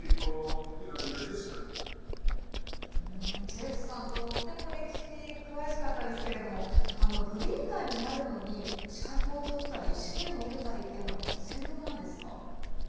ジェフさん、とっても歴史に詳しかったですけれどもグリーターになるのに資格を取ったり試験を受けたりっていうのは必要なんですか？